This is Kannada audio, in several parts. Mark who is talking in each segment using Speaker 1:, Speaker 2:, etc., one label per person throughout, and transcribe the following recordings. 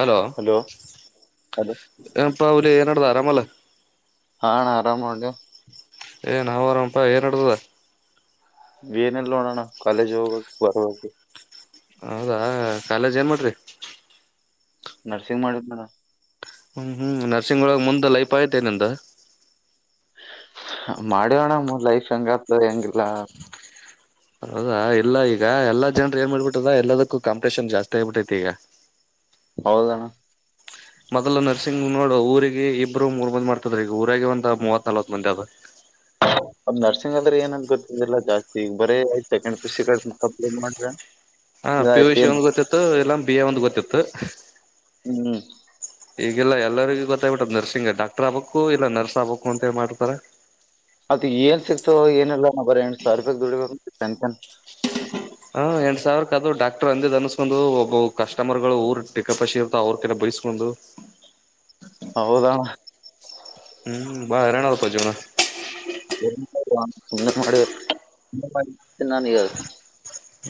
Speaker 1: ಹಲೋ
Speaker 2: ಹಲೋ
Speaker 1: ಪ ಅವಲಿ ಏನಡದ ಆರಾಮಲೆ
Speaker 2: ಹಾ ಆರಾಮ ಮಾಡಜ
Speaker 1: ಏ ನಾವ್ರಾಮಪಾ ಏನ್ ಆಡ್ತದ
Speaker 2: ವೇನೆಲ್ಲೋಣಣ ಕಲೇಜ ಹೋಗ ಹೊರವ
Speaker 1: ಹೌದಾ ಕಾಲೇಜ್ ಏನ್ ಮಾಡ್ರಿ
Speaker 2: ನರ್ಸಿಂಗ್ ಮಾಡಿದ ಮದ
Speaker 1: ಹ್ಮ್ ಹ್ಮ್ ನರಸಿಂಗೋಳಗ್ ಮುಂದೆ ಲೈಪ್ ಆಯ್ತೆನಂದ
Speaker 2: ಮಾಡ್ಯಿವಣ ಲೈಫ್ ಹೆಂಗತ್ ಹೆಂಗಿಲ್ಲ
Speaker 1: ಹೌದಾ ಇಲ್ಲ ಈಗ ಎಲ್ಲಾ ಜನರು ಏನ್ ಮಾಡ್ಬಿಟ್ಟದ ಎಲ್ಲದಕ್ಕೂ ಕಾಂಪಿಟೇಷನ್ ಜಾಸ್ತಿ ಆಗ್ಬಿಟ್ಟೈತಿ ಈಗ
Speaker 2: ಹೌದಣ
Speaker 1: ಮೊದಲು ನರ್ಸಿಂಗ್ ನೋಡ ಊರಿಗೆ ಇಬ್ರು ಮೂರ್ ಮಂದಿ ಮಾಡ್ತದ್ರ ಈಗ ಊರಾಗ ಒಂತ ಮೂವತ್ ನಲ್ವತ್ ಮಂದಿ ಅದ
Speaker 2: ನರ್ಸಿಂಗ್ ಆದ್ರೆ ಏನಂದ್ ಗೊತ್ತಿಲ್ಲಾ ಜಾಸ್ತಿ ಈ ಬರೇ ಆಯ್ತ ಸೆಕ ಮಾಡ್ರ
Speaker 1: ಹ ಪಿುಷ್ ಒನ್ ಗೊತ್ತಿತ್ತು ಎಲ್ಲಾ ಬಿಿಯ ಒಂದು ಗೊತ್ತಿತ್ತು
Speaker 2: ಹ್ಮ್ ಹ್ಮ್
Speaker 1: ಈಗೆಲ್ಲ ಎಲ್ಲರಿಗೂ ಗೊತ್ತಾಗ್ಬಿಟ್ಟ್ ನರ್ಸಿಂಗ್ ಡಾಕ್ಟರ್ ಆಗ್ಬಬೇಕು ಇಲ್ಲ ನರ್ಸ್ ಆಗ್ಬೇಕು ಅಂತ ಮಾಡ್ತಾರೆ
Speaker 2: ಅದು ಏನ್ ಸಿಕ್ತು ಏನೆಲ್ಲ ನರ ಸಾವರೂಪಿ ದುಡಿಬೇಕ ಪೆಂಕ್ಷನ್
Speaker 1: ಹಾ ಎಂಟ ಸಾವಿರ ಕ ಅದು ಡಾಕ್ಟರ್ ಅಂದ ಅನ್ಸ್ಕೊಂಡ್ ಒಬ್ಬ ಕಸ್ಟಮರ್ಗಳು ಊರ್ ಟಕ್ಕಪಸಿ ಇರ್ತ ಅವ್ರ ಕಡೆ ಬಯಸ್ಕೊಂಡ್
Speaker 2: ಹೌದಣ
Speaker 1: ಹ್ಮ್ ಬಾ ನಪ ಜನ
Speaker 2: ಅ. [inaudible] ಸುಮ್ಮ್ನೆ ಮಾಡಿ ನಾನಗ ಅದು.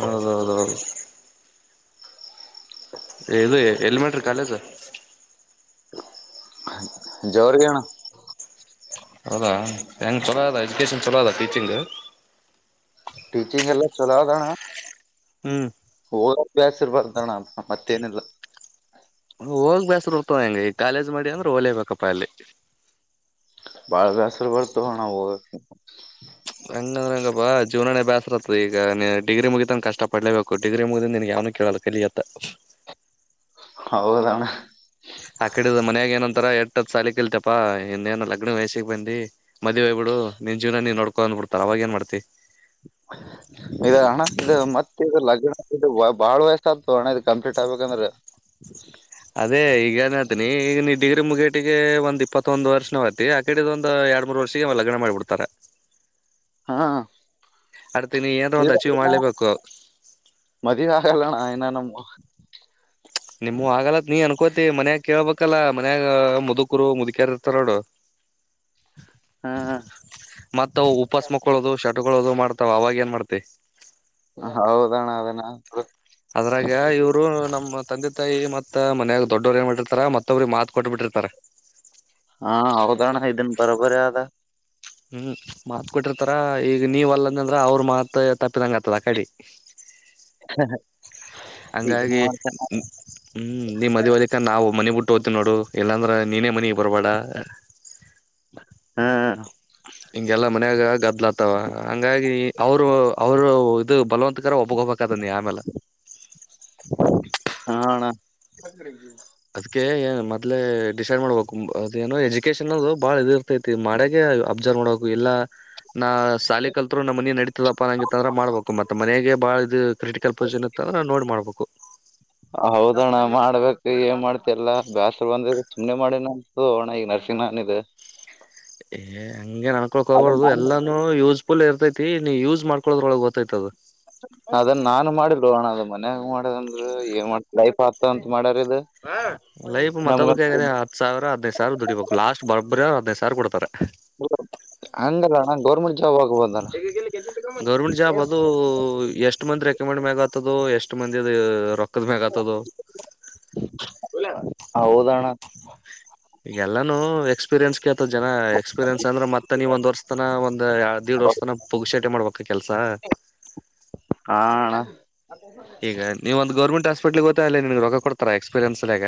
Speaker 1: ಹೌದೌದೌದು. ಇದು ಎಲ್ಲಿ ಮಾಡೆಂಟ್ರಿ ಕಾಲೆಜ್
Speaker 2: ಜೋರಗೆಣ.
Speaker 1: ಹೌದಾ ಹೆಂಗ್ ಚಲೋ ಅದ ಎಜುಕೇಶನ್ ಚಲೋ ಅದ ಟೀಚಿಂಗ್.
Speaker 2: ಟೀಚಿಂಗ್ ಎಲ್ಲ ಚಲೋದಣ್ಣ.
Speaker 1: ಹ್ಮ್.
Speaker 2: ಹ ಅ್ಯಾಸ ಇರ್ ಬತಣ ಮತ್ತೇನಿಲ್ಲ.
Speaker 1: ಹೋಗ್ ಬೇಸ್ರ ಇರ್ತವ ಹೆಂಗ ಈ ಕಾಲೇಜ್ ಮಾಡಿ ಅಂದ್ರೆ ಓಲೇಬೇಕಪ್ಪಾ ಅಲ್ಲಿ.
Speaker 2: ಬಾಳದ್ಯಾಸರುವರ್ತ ಹಣವು.
Speaker 1: ಹಂಗಂದ್ರ ಹಂಗಪ್ಪಾ ಜೀವನಾನೇ ಬ್ಯಾಸರತ್ತದ ಈಗ ನೀ ಡಿಗ್ರಿ ಮುಗಿತಂಗ ಕಷ್ಟ ಪಡ್ಲೇಬೇಕು ಡಿಗ್ರಿ ಮುಗಿದ ನಿನ್ ಯಾವನ ಕೇಳಲ್ಲ ಕಲಿಯತ್ತ.
Speaker 2: ಹೌದಣ್ಣ.
Speaker 1: ಆ ಕಡಿದ ಮನ್ಯಾಗ ಏನಂತರ ಎಟ್ಟದ್ ಸಾಲಿಕ ಇಲ್ತಪಾ ಇನ್ನೇನು ಲಗ್ನ ವಯಸಿಗೆ ಬಂದಿ. ಮದುವವ್ಬ ಬಿಡು ನಿನ್ ಜೀವನ ನೀನ್ ನೋ. ಕೊಂಡ್ ಬಿಡ್ತಾರ ಅವಾಗ ಏನ್ ಮಾಡ್ತಿ.
Speaker 2: ಈಗ ಅಣ ಇ ಮತ್ತ ಲಗ್ನ ಬಾಳ್ ವಯಸ್ಸ ಆತು ಅಣ್ಣ ಇ ಕಂಪ್ಲೀಟ್ ಆಗ್ಬೇಕಂದ್ರೆ.
Speaker 1: ಅದೇ ಈಗನ. ಅಿನಿ ಈಗ ನೀ ಡಿಗ್ರಿ ಮುಗೇಟಿಗೆ ಒಂದ್ ಇಪ್ಪತ್ತೊಂದ್ ವರ್ಷ ನಾವ್ತಿ ಆ ಕಡೆಿದ ಒಂದು ಎರಡ್ ಮೂರ್ ವರ್ಷಿಗೆ ಲಗ್ನ ಮಾಡಿಬಿಡ್ತಾರೆ.
Speaker 2: ಹಾ.
Speaker 1: ಏನಾರ
Speaker 2: ಇ
Speaker 1: ಒಂದ್ ಅಚೀವ್ ಮಾಡ್ಲೇಬೇಕು
Speaker 2: ಮಧ ಹಲಣ ಇನನು. ಹ
Speaker 1: ಹಕೋತಿ ಮನ್ಯಾಗ ಕೇಳ್ಬಲ್ಲ ಮನ್ಯಾಗ ಮುದುಕರು ಮುದುಕ್ಯಾರ ಇರ್ತಾರ ನೋಡು
Speaker 2: ಹ್ಮ್
Speaker 1: ಮತ್ತ ಉಪಾಸ ಮಕ್ಕಳದು ಶರ್ಟ್ಗಳುದು ಮಾಡ್ ತ ಅವಾಗ ಏನ್ ಮಾಡ್ತೆ
Speaker 2: ಹೌದಣ ಅದಣ
Speaker 1: ಅದ್ರಾಗ ಇವ್ರು ನಮ್ಮ ತಂದೆ ತಾಯಿ ಮತ್ತೆ ಮನ್ಾಗ ದೊಡ್ಡವರುಏನ್ ಮಾಡಿರ್ತಾರ ಮತ್ ವ್ರಿ ಮಾತ ಕೊಟ್ ಬಿಿಟ್ಟಿರ್ತಾರ
Speaker 2: ಹಾ ಹೌದಣ ಐ್ದನ್ ಬರೋ ಬರಿ ಆದದ
Speaker 1: ಹ್ಮ್ ಮಾತ್ ಕೊಟ್ಟಿರ್ತಾರ ಈಗ ನೀವ್ ಅಲ್ಲಂದಂದ್ರ ಅವ್ರ ಮಾತ್ ತಪ್ಪಿದಂಗ ಆತ್ತದ ಕಡಿ
Speaker 2: ಹ್ಮ ಹಾ
Speaker 1: ಹಂಗಾಗಿ ಹ್ಮ ನೀ್ ಮದ್ಲಿಕ ನಾವು ಮನೆ ಬಿಟ್ಟ ೋ್ತಿ ನೋಡು ಇಲ್ಲಾಂದ್ರೆ ನೀನೇ ಮನಿ ಬರ್ಬೇಡ
Speaker 2: ಹಾ
Speaker 1: ಹಿಂಗೆಲ್ಲಾ ಮನ್ಯಾಗ ಗದ್ಲತ್ತವ ಹಂಗಾಗಿ ಅವರು ಅವರು ಇದು ಬಲವಂತಕರ ಒಬ ತನಿ ಆಮೇಲೆ
Speaker 2: ಹ ಅಣ್ಣ
Speaker 1: ಅದ್ಕ್ಕೆ ಏನ್ ಮೊದ್ಲೇ ಡಿಸೈಡ್ ಮಾಡ್ಬೇಕು ಅದೇನೋ ಕೇಸ್ ಅನ್ನೋದು ಬಹಳ ಇದ ಇರ್ತೈತಿ ಮಾಡುವಾಗಲೇ ಅಬ್ಸರ್ವ್ ಮಾಡ್ಬೇಕು ಎಲ್ಲಾ ನಾ ಶಾಲಿ ಕಲ್ತ್ರು ನಮ್ಮ ಮನ ನಡೀತದಪ್ಪ ಅನ್ನಾಗಿತ್ತು ಅಂದ್ರ ಮಾಡ್ಬೇಕು ಮತ್ತ ಮನೆಗೆ ಬಾಳ ಇದು ಕ್ರಿಟಿಕಲ್ ಪೊಸಿಷನ್ ಇತ್ತ ಅಂದ್ರ ನೋಡಿ ಮಾಡ್ಬೇಕು
Speaker 2: ಹೌದಣ್ಣ ಮಾಡ್ಬೇಕು ಏನ್ ಮಾಡ್ತಿ ಎಲ್ಲಾ ಬ್ಯಾಸರ ಬಂದಿದ ಸುಮ್ನೆ ಮಾಡಿನ ಅಂತು ಅಣ್ಣ ಈಗ ನರ್ಸಿಂಗ್ ನನ್ಗೆ
Speaker 1: ಏ ಹಂಗೇನು ಅನ್ನಕೊಳಕೆ ಹೋಗಬಾರದು ಎಲ್ಲಾನೂ ಯೂಸ್ ಪುಲ್ ಇರ್ತೈತಿ ನೀ ಯೂಸ್ ಮಾಡ್ಕೊಳ್ಳೋರ ಒಳಗ ಹೋಗುತ್ತೆ ಅದು
Speaker 2: ಅದನ್ ನಾನ ಮಾಡಿಲ್ಲೋ ಅಣ್ಣ ಅದನ ಮನ್ಯಾಗ ಮಾಡದಂದ್ರರ ಏನ್ ಮಾಡ್ತ ಲೈಫ್ ಆತ ಅಂತ ಮಾಡ್ಯಾರ ಇದ.
Speaker 1: ಲೈಫ ಮತ್ತೊಬ್ರು ಕೈಯಾಗ ಹತ್ತು ಸಾವಿರ ಹದಿನೈ ಸಾವರ ದುಡಿಬೇಕು ಲಾಸ್ಟ್ ಬರೋಬರಿ ಹತ್ತು ಹದಿನೈದ ಸಾವಿರ ಕೊಡ್ತಾರ
Speaker 2: ಹಂಗಲ್ಲಣ ಗೌರ್ಮೆಂಟ್ ಜಾಬ್ ಆಗಬಹುದು ಅಲ
Speaker 1: ಗೌರ್ಮೆಂಟ್ ಜಾಬ್ ಅದು ಎಷ್ಟು ಮಂದಿ ರೆಕಮೆಂಡ್ ಮ್ಯಾಗ್ ಆಗುತ್ತದೋ ಎಷ್ಟ ಮಂದಿದ ರೋ ರೊಕ್ಕದ ಮ್ಯಾಗ ಆಗುತ್ತೋ
Speaker 2: ಹೌದ ಅಣ್ಣ
Speaker 1: ಈಗಲ್ಲಾನು ಎಕ್ಸ್ಪೀರಿಯನ್ಸ್ ಕೇಳ ಮತ ಜನ ಎಕ್ಸ್ಪೀರಿಯನ್ಸ್ ಅಂದ್ರೆತ್ತ ನೀವು ಒಂದ ವರ್ಷ ತನ ಒಂದ ದೀಡ ವರ್ಷ ತನ ಪುಗ ಶೇಟೆ ಮಾಡ್ಬೇಕು ಮ ಕೆಲಸಾ
Speaker 2: ಹ ಅಣ್ಣ
Speaker 1: ಈಗ ನೀವ್ ಒಂದು ಗೌರ್ಮೆಂಟ್ ಆಸ್ಪತ್ ಹಪಟ್ ಗತ್ತಾ ಅ ನಿಮಗೆ ರೋಗ ಕೊಡ್ತಾ ಎಕ್ಸ್ಪೀರಿಯನ್ಸ್ಲ್ಲಗ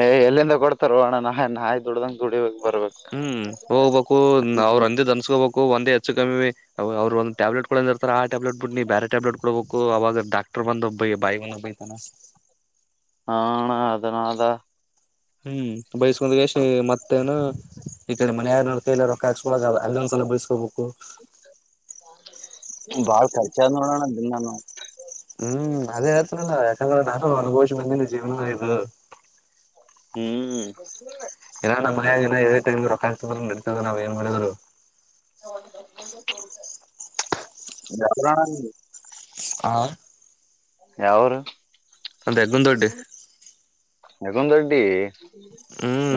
Speaker 2: ಏಯ್ ಎಲ್ಲಿಂದ ಕೊಡ್ತಾರ ಓ ಅಣ್ಣ ನ ನಾಯ್ ದುಡ್ದಂಗ ದುಡಿಬೇಕ ಬರ್ಬೇಕು
Speaker 1: ಹ್ಮ್ ಹೋಗ್ಬೇಕು ಅವ್ರ ಅಂದಿದನ್ಸ್ಕೋಬೇಕು ಒಂದೇ ಹೆಚ್ಚು ಕಮ್ಮಿ ಅವರು ಒಂದ ಟ್ಯಾಬ್ಲೆಟ್ ಇರ್ತಾರ ಆ ಟ್ಯಾಬ್ಲೆಟ್ ಬಿಟ್ಟ ನೀ ಬೇರೆ ಟ್ಯಾಬ್ಲೆಟ್ ಕೊಡಬೇಕು ಅವಾಗ ಡಾಕ್ಟರ್ ಬಂದ ಬಾಯ ಬೈತಾನ
Speaker 2: ಹ ಅಣ್ಣ ಅದನದಾ
Speaker 1: ಹ್ಮ್ ಬಯಸ್ಕೊಂಡ ಗೆಸಿ ಮತ್ತೇನು ಈ ಕಡೆ ಮನ ನೋ ಕೈ ರೊಕ್ಕ ಹಾಕ್ಸ್ಕೊಳ ಅಲ್ಲೊಂದ ಕಲ್ಲ ಬಯಸ್ಕೋಬೇಕು
Speaker 2: ಬಳ ರ್ಚ ದನ್ನನು [inaudible]
Speaker 1: ಅಲ್ಲ ಯಾಕಂದ್ರ ನಾನು ಅನುಭವಿಸ ಬಂದನೆ ಜೀವನ ಇದು
Speaker 2: ಹ್ಮ್
Speaker 1: ಇದ ನಮ್ಮ ೇ ಟೈಮ್ ರಾ ನಡತದ ನಾವ್ ಏನ್ ಮಾಡಿದ್ರು
Speaker 2: ಬ [unintelligible]
Speaker 1: ಆ
Speaker 2: ಯಾವರು
Speaker 1: ಅದಗ ದೊಡ್ಡಿ
Speaker 2: ನಗುಂದ ರೆಡ್ಡಿ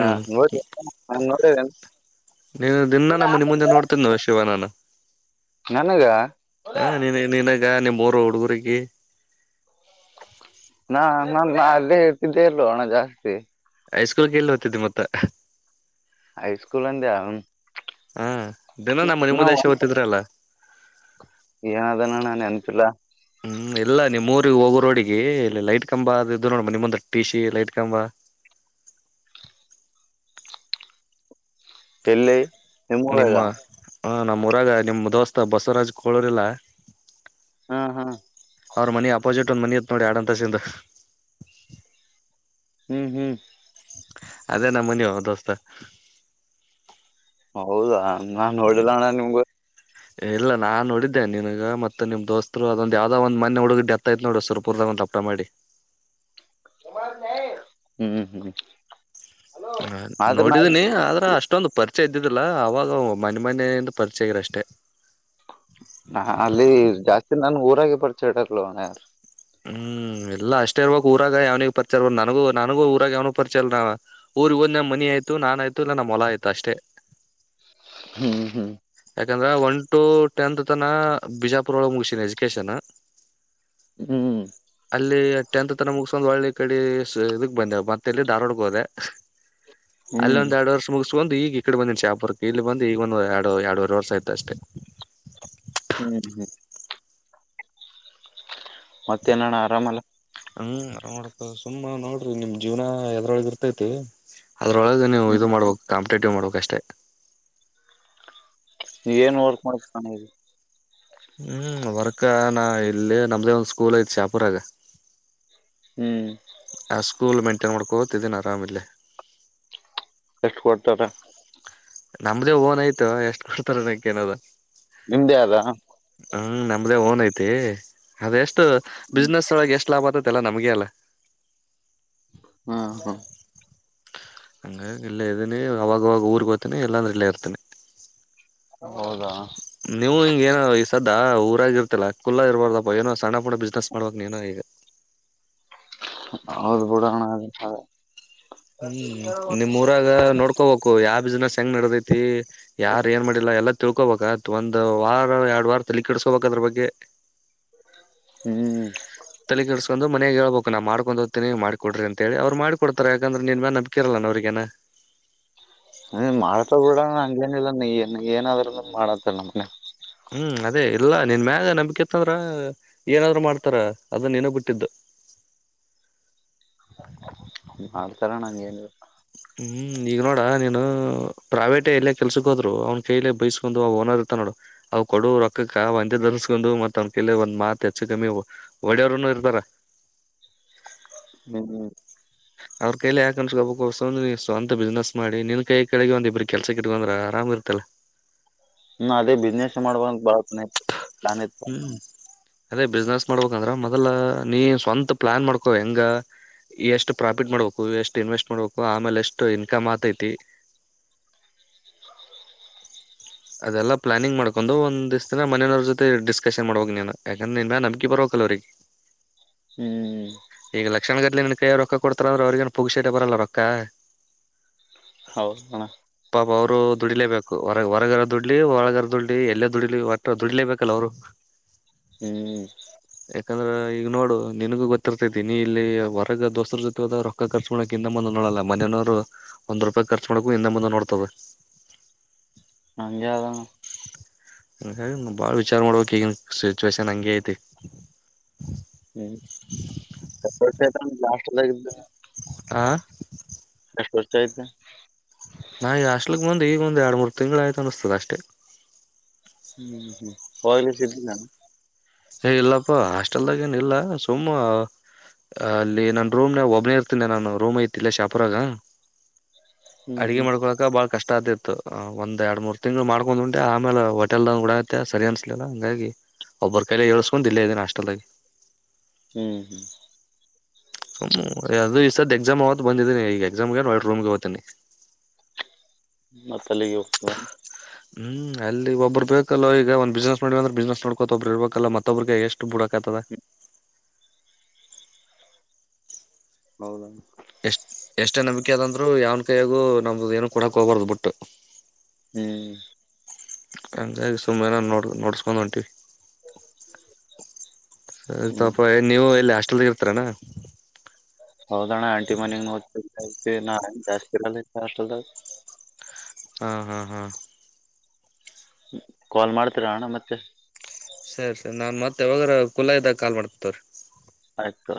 Speaker 2: ಹಾ ನೋಡಿ ಎ
Speaker 1: ನೀವ ದಿನ ನಮ್ಮ ಮು ನಿ ಮುಂದೆ ನೋಡ್ತೀನ್ ಶಿವನಾನ ನಾನು
Speaker 2: ನನಗ
Speaker 1: ಹಾ ನೀ ನೀನ ಈಗ ಮೂರು ಹುಡುಗರಿಗೆ
Speaker 2: ನಾ ನಾನು ಅಲ್ಲೇ ಹೇಳ್ತಿದ್ದೆ ಅಲ್ ಹಣ ಜಾಸ್ತಿ
Speaker 1: ಹೈಸ್ಕೂಲ್ಗೆ ಎಲ್ಲಿ ಹೋಗ್ತತಿ ಮತ್ತ
Speaker 2: ಹೈಸ್ಕೂಲ್ ಅಂದ ಆ
Speaker 1: ಹಾ ದಿನ ನಮ್ಮ ಮನೆ ಮುದೆ ಎಷ್ಟು ಓದ್ತಿದ್ರಲ್ಲ
Speaker 2: ಏನಾದನ ನಾನ್ ನೆನ್ಪಿಲ್ಲ
Speaker 1: ಹ್ಮ್ ಎಲ್ಲ ನಿಮ್ ರಿಗೆ ಹೋಗೋ ರೋಡಿಗೆ ಇಲ್ಲಿ ಲೈಟ್ ಕಂಬ ಅು ನೋಡ್ಮ ನಿಮ್ಮಂದ ಟಿ ಸಿ ಲೈಟ್ ಕಂಬ
Speaker 2: ಎಲ್ಲಲ್ಲಿ
Speaker 1: ನಿಮ್ಮ..... ಹಾ ನಮ್ಮಊರಾಗ ನಿಮ ದೋಸ್ತ ಬಸವರಾಜ್ ಕೂಳೋರಿಲ್ಲ
Speaker 2: ಹಾ ಹಾ
Speaker 1: ಅವ್ರ ಮನಿ ಆಪೋಸಿಟ್ ಅಲ್ಲೊಂದು ಮನಿ ಈತ್ ನೋಡಿ ಎರಡುಅಂತಸ್ತಿಂದು
Speaker 2: ಉ ಊ
Speaker 1: ಅದೇ ನಮ್ ಮನಿಯೋ ದೋಸ್ತ
Speaker 2: ಹೌದಾ ನಾ ನೋಡಿಲ್ಲ ಅಣ್ಣ ನಿಂದು
Speaker 1: ಹೇ ಇಲ್ಲ ನಾ ನೋಡಿದ್ದೆನೆ ನಿನಗ ಮತ್ತ ನಿಮ ದೋಸ್ತರು ಅದೊಂದ ಯಾವ್ದೋ ಒಂದ್ ಮನ್ನೇ ಹುಡುಗಗ ಡೆತ್ ಆಯ್ತು ನೋಡ ಸರ್ಪೂರ್ದಾಗ ಒಂದ್ಪ್ಪ ಮಾಡಿ
Speaker 2: ಹೇ.. [unintelligible] ಹೂ
Speaker 1: ಹ ನೋಡಿದೀನಿ ಆದ್ರ ಅಷ್ಟೊಂದು ಪರಿ ಪರಿಚಯ ಇದ್ದಿದ್ದಿಲ್ಲ ಅವಾಗ ಮನೆ ಮನೆಯಿಂದ ಪರಿಚಯ ಆಗಿರ ಅಷ್ಟೇ
Speaker 2: ಹ ಅಲ್ಲಿ ಜಾಸ್ತಿ ನನ್ ಊರಾಗ ಪರ್ಚಡರ್ಲನಾರ
Speaker 1: ಊಂ ಇಲ್ಲಾ ಅಷ್ಟೇ ಇರ್ಬೇಕು ಊರಾಗ ಯಾವನಿಗೂ ಪರಿಚಯ ಇರಬಾರದು ನನಗು ನಂಗೂ ಊರಗ ಯಾವನೂ ಪರಿಚಯ ಇಲ್ಲಾರಾ ಊರಿಗೆ ಹೋದನ ಮನಿ ಆಯ್ತು ನಾನ್ ಆಯ್ತು ಇಲ್ಲ ನಮ್ಮ ಹೊಲ ಆಯ್ತು ಅಷ್ಟೇ
Speaker 2: ಹೂ ಹೂಂ
Speaker 1: ಯಾಕಂದ್ರೆ ಒನ್ ಟು ಟೆಂತ್ ತನ ಬಿಜಾಪುರದ ಒಳಗೆ ಮುಗಿಸಿನಿ ಎಜುಕೇಶನ್
Speaker 2: ಹೂ
Speaker 1: ಅಲ್ಲಿ ಟೆಂತ್ ತರ ಮುಗಸ್ಕೊಂಡ್ ಒಳ್ಳ ಇ ಕಡೆ ಇದಕ್ ಬಂದೆ ಮತ್ತೆಲೀ ಧಾರ್ವಾಡಗೆೋದೆ ಅಲ್ಲಿ
Speaker 2: ಹ್ಮ್
Speaker 1: ಒಂದ ಎರಡು ವರ್ಷ ಮುಗಿಸಕೊಂಡು ಒಂದು ಈಗ ಈ ಕಡೆ ಬಂದಿ ಚಾ ಪುರಕ್ಕೆ ಇಲ್ಲಿ ಬಂದು ಈಗ ಒಂದು ಎರಡುವರೆ ವರ್ಷ ಆಯತ ಅಷ್ಟೇ
Speaker 2: ಹ್ಮ್ ಹ್ಮ್ ಮತ್ತ ನಣ್ಣ ಆರಾಮಲ್ಲ
Speaker 1: ಹ್ಮ ಆರಾಮ್ ಮಾಡತ ಸುಮ್ಮ ನೋಡ್ರಿ ನಿಮ್ ಜೀವನ ಎದ್ರೊಳಗ ಇರ್ತೈತಿ. ಅದ್ರೊಳಗೆ ನೀವು
Speaker 2: ಹ್ಮ್
Speaker 1: ಇದು ಮಾಡ್ಬೇಕು ಕಾಮ ರೆಟೂ ಮಾಡೋಕಷ್ಟೆ
Speaker 2: ನೀ ಏನ್ ರ್ಕ್ ಮಾಡ
Speaker 1: ಹ್ಮ್ ವರ್ಕ ನ ಇಲ್ಲ ನಮ್ದೇ ಒಂದ್ ಸ್ಕೂಲ್ ಐತ್ ಚಾಪುರಾಗ
Speaker 2: ಹ್ಮ್
Speaker 1: ಸ್ಕೂ ಮ [unintelligible] ನೋಡ್ಕೋತಿದ್ದೀನ ಆರಾಮಿಲ್ಲೇ
Speaker 2: ಎಷ್ಟು ಕೊಡ್ತಾರ
Speaker 1: ನಮ್ದೇ ಓನ್ ಆಯ್ತು ಎಷ್ಟ್ ಕೊಡ್ತಾರ ಎನದ ಏನೋದ
Speaker 2: ನಿಮ್ದೇ ಅದ
Speaker 1: ಹ್ಮ್ ನಮ್ಮ್ದ ಓನ ಐತಿ ಅೇ ಅದೆಷ್ಟು
Speaker 2: ಹ್ಮ
Speaker 1: ಬಿಸ್ನೆಸ್ ಒಳಗೆ ಎಷ್ಟು ಲಾಭ ಆತದ ಎಲ್ಲ ನಮಗೆ ಅಲ್ಲ
Speaker 2: ಹಾ ಹಾ
Speaker 1: ಹಂಗಾಗಿ ಇಲ್ಲೇ ಇದ್ದೀನಿ ಅವವಾಗವಾಗ ಊರಿಗೆಗೋತೀನಿ ಇಲ್ಲಾಂದ್ರ ಇಲ್ಲೇ ಇರ್ತೀನಿ
Speaker 2: ಹೌದಾ
Speaker 1: ಅಾ ಊರಾಗಿರ್ತಿಲ್ಲ ಕುಲ್ಲಾ ಇರ್ಬಾರ್ದಪ್ಪ ಏನೋ ಸಣ್ಣ ಪುಣ ಬಿಸ್ನೆಸ್ ಮಾಡ್ಬೇಕಕ್ ನೀನೋ ಈಗ.
Speaker 2: ಹೌದು ಬಿಡೋಣ.
Speaker 1: ಹ್ಮ್ ನಿಮ್ಮಊರಾಗ ನೋಡ್ಕೋಬೇಕು ಯಾರ್. ಬಿಸ್ನೆಸ್ ಹೆಂಗ್ ನಡದೈತಿ ಯಾರ ಏನ್ ಮಾಡಿಲ್ಲ ಎಲ್ಲಾ ತಿಳ್ಕೋಬಬೇಕ ಒಂದ್ ವಾರ ಎರಡು ವಾರ ತಲಿ ಕೆಡ್ಸ್ಕೋಬಬೇಕ ಅದ್ರ ಬಗ್ಗೆ.
Speaker 2: ಹ್ಮ್.
Speaker 1: ತಲೆ ಕೆಡಿಸ್ಕೊ ಬಂದು ಮನೆಗೆ ಹೇಳ್ಬೇಕು ನಾನ್ ಮಾಡ್ಕೊಂಡ ಹೋಗ್ತೀನಿ ಮಾಡಿ ಕೊಡ್ರಿ ಅಂತ ಹೇಳಿ ಅವ್ ಮಾಡಿ ಕೊಡ್ತಾರೆ ಯಾಕಂದ್ರೆ ನೀನ್ ಮೇಲೆ ನಂಬಕಿರಲ್ಲಲೇನು ಅವ್ರಗೇನ.
Speaker 2: ಹ ಮಾಡತ್ತ ಬಿಡ ಹಂಗೇನಿಲ್ಲ ನೀಏನ್ ಏನಾದ್ರ ಮಾಡತ್ತರೇ ನಮಗೆ
Speaker 1: ಹ್ಮ್ ಅದೇ ಇಲ್ಲ ನಿನ್ ಮ್ಯಾಗ ನಂಬಿಕೆತ್ತಂದ್ರ ಏನಾದ್ರು ಮಾಡ್ತಾರ ಅದ ನೀನು ಬಿಟ್ಟಿದ್ದು.
Speaker 2: ಮಾಡ್ತಾರಣ್ಣ ಹಾಗೇನುಇಲ್ಲ
Speaker 1: ಹ್ಮ್ ಈಗ ನೋಡ ನೀನು ಪ್ರೈವೇಟ್ ಎಲ್ಲೇ ಕೆಲ್ಸಕ್ ಹೋದ್ರು ಅವ್ನ ಕೈಲೆ ಬೈಸ್ಕೊಂಡು ಅವ ಓನರ್ ಇರ್ತ ನೋಡು ಅವ ಕೊಡು ರೊಕ್ಕಕ್ಕ ಒಂದೆ ಧರಿಸಸ್ಕೊಂಡು ಮತ್ತ ಅವ್ನ ಕೈಲೆ ಒಂದ್ ಮಾತ್ ಹೆಚ್ಚು ಕಮ್ಮಿ ಒಡೆಯವರನು ಇರ್ತಾರ
Speaker 2: ಹ್ಮ್ ಹ್ಮ್.
Speaker 1: ಅವ್ರ ಕೈಯ ಯಾಕ ಅನ್ಸೊಬ್ಬ ನೀ ಸ್ವಂತ ಬಿಸ್ನೆಸ್ ಮಾಡಿ ನಿನ್ ಕೈ ಕೆಳಗೆ ಒಂದ ಇಬ್ಬರು ಕೆಲ್ಸ ಕಿಟ್ಕೊಂದ್ರ ಆರಾಮ ಇರ್ತಲ್ಲ.
Speaker 2: ಹ್ಮ ಅದೇ ಬಿಸ್ನೆಸ್ ಮಾಡುವ ಅಂತ ಪ್ಲಾನ್ ನಾನ.
Speaker 1: ಹ್ಮ್ ಅದೇ ಬಿಸ್ನೆಸ್ ಮಾಡ್ಬೇಕಂದ್ರೆ ಮೊದಲ ನೀ ಸ್ವಂತ ಪ್ಲಾನ್ ಮಾಡ್ಕೊ ಹೆಂಗ ಎಷ್ಟು ಪ್ರಾಫಿಟ್ ಮಾಡ್ಬೇಕು ಎಷ್ಟು ಇನ್ವೆಸ್ಟ್ ಮಾಡ್ಬೇಕು ಆಮೇಲೆ ಎಷ್ಟು ಇನ್ಕಮ್ ಆತೈತಿ. ಅದೆಲ್ಲ ಪ್ಲಾನಿಂಗ್ ಮಾಡ್ಕೊಂಡು ಒಂದ್ ದ್ ದಿನ ಮನೆಯನವ್ರ ಜೊತೆ ಡಿಸ್ಕಶನ್ ಮಾಡಬೇಕು ನೀನ್ ಯಾಕಂದ್ರೆ ನೀನ್ ಮೇಲೆ ನಂಬಕೆ ಬರಬೇಕಲ್ಲ ಅವರಿಗೆ.
Speaker 2: ಹ್ಮ್
Speaker 1: ಈಗ ಲಕ್ಷಣಗಡ್ಲೆ ನಿನ ಕೈಯಾರೇ ರೊಕ್ಕ ಕೊಡ್ತಾರಂದ್ರೆ ಅವ್ರರಿಗೇನು ಪುಕ್ಸಟ್ಟೆ ಬರಲ್ಲ ರೊಕ್ಕ
Speaker 2: ಹೌದು ಕಣ
Speaker 1: ಪಾಪ ಅವರು ದುಡಿಲೇಬೇಕು ಹೊರ ಹೊರಗರ. ದುಡ್ಲಿ ಒಳಗರ್ ದುಡ್ಲಿ ಎಲ್ಲೇ ದುಡ್ಲಿ ಒ ದುಡ್ಲೇಬೇಕೇಕಲ್ಲ ಅವ್ರು
Speaker 2: ಹ್ಮ್
Speaker 1: ಯಾಕಂದ್ರೆ ಈಗ ನೋಡು ನಿನಗ ಗೊತ್ತಿರ್ತೈತಿ ನೀ ಇಲ್ಲಿ ಹೊರಗ ದೋಸ್ತರ ಜೊತೆ ಹೋದ ರೊಕ್ಕ ರ್ು ಮಾಡಕ್ ಇಿಂದ ಮುಂದ ನೋಡಲ್ಲ ಮನೆಯನವರು ಒಂದ್ ರೂಪಾಯಿ ರ್ಚ್ ಮಾಡಕು ಇಿಂದೆ ಮುಂದ ನೋಡ್ತವೆ
Speaker 2: ನಂಜಾದಾ
Speaker 1: ಹ ಬಾಳ್ ವಿಚಾರ ಮಾಡ್ಬೇಕಕ್ ಈಗನ್ ಸಿಚುವೇಶನ್ ಹಂಗಗೆ ಐತಿ
Speaker 2: ಹ್ಮ್ ಲಾ ಎಲ್ಲ
Speaker 1: ಹ
Speaker 2: ವರ್ಚ ್ದ
Speaker 1: ನಾ ಯ ಅಸ್ಲಕ್ ಬಂದ್ ಈಗ ಒಂದ್ ಎರಡು ಮೂರ್ ತಿಂಗಳು ಆಯ್ತು ಅನಸ್ತದ ಅಷ್ಟೇ
Speaker 2: ಹಹಲಿ ಸಿಿದಿದ್ದ ನ
Speaker 1: ಹಏ ಇಲ್ಲಪ್ಪ ಹಾಸ್ಟೆಲ್ದಾಗಏನ ಇಲ್ಲ ಸುಮ್ಮ ಅಲ್ಲಿ ನನ್ನ ರೂಮ್ನ ಒಬ್ಬನೇ ಇರ್ತೀನಿ ನಾನು ರೂಮ್ ಐತಿಲ್ಲ ಶಾಪುರಾಗ
Speaker 2: ಹ್ಮ್
Speaker 1: ಅಡುಗೆ
Speaker 2: ಹ್ಮ್
Speaker 1: ಮಾಡ್ಕೊಳಕ ಬಾಳ್ ಕಷ್ಟ ಆದ ಇತ್ತು ಅ ಒಂದ ಎರಡು ಮೂರ್ ತಿಂಗ್ಗಳು ಮಾಡ್ಕೊಂಡ್ ಉಟೆ ಆಮೇಲೆ ಹ ಹೊಟೆಲ್ದ ಗೂಡತೆೆ ಸರಿ ಅನ್ಸಲಿಲ್ಲ ಹಂಗಾಗಿ ಒಬ್ಬರ್ ಕೈಲೆ ಏಳ್ಿಸಕೊಂಡು ಇಲ್ಲೇ ಇದ್ದೀನ ಹಾಸ್ಟೆಲ್ಾಗಿ
Speaker 2: ಹ್ಮ್ ಹ್ಮ್
Speaker 1: ಹ ಅದು ಇಷ್ಟದ ಎಕ್ಸಾಮ್ ಆತ್ತು ಬಂದಿದೀನಿ ಈಗ ಎಕ್ಸಾಮ್ಗೆ ರೂಮ್ಗೆ ಹತೇನಿ
Speaker 2: ಮತ್ತ ಅಲ್ಲಿಗೆ ಹೋಗ್ತದೆಾನ
Speaker 1: ಹ್ಮ್ ಅಲ್ಲಿ ಒಬ್ಬ್ರರು ಬೇಕಲ್ವ ಈಗ ಒಂದ್ ಬಿಸ್ನೆಸ್ ಮಾಡವ ಅಂದ್ರೆ ಬಿಸ್ನೆಸ್ ನೋಡ್ಕೋತ ಒಬ್ಬರು ಇರ್ಬೇಕಲ್ಲ ಮತ್ತೊಬ್ರಿಗೆ ಎಷ್ಟು ಬುಡಕತದ
Speaker 2: ಹೌದ
Speaker 1: ಎಷ್ಟ್ ಎಷ್ಟೇ ನಂಬಿಕೆ ಅದಂದ್ರೂ ಯಾವನ ಕೈಯಾಗೂ ನಮ್ದು ಏನ ಕೊಡಕ್ ಹೋಗಬಾರ್ದು ಬಿಟ್ಟು
Speaker 2: ಹ್ಮ್
Speaker 1: ಹಂಗಾಗಿ ಸುಮ್ಮನೆ ನು ನೋಡ್ ನೋಡ್ಸ್ಕೊಂಡ್ ಹೊಂಟಿವಿ
Speaker 2: ಹ್ಮ್
Speaker 1: ತಪ ನೀವು ಇಲ್ಲ ಹೋಟಲ್ ಇರ್ತಾರಣ [unintelligible]
Speaker 2: ಹೌದಣ್ಣ ಆಂಟಿ ಮನಗ್ ನೋ ನ ಜಾಸ್ತಿ ಕಲ ಆ [unintelligible]
Speaker 1: ಹ್ಮ ಹ್ಮ್ ಹಾ
Speaker 2: ಕಾಲ್ ಮಾಡ್ತೀರಾ ಅಣ್ಣ ಮತ್ತೆ
Speaker 1: ಸರಿ ಸರಿ ನಾನ್ ಮತ್ತೆ ಯಾವಾಗ ಕುಲ್ಲ ಇದ್ದಾಗ ಕಾಲ್ ಮಾಡ್ತತವ್ರೀ
Speaker 2: ಆತು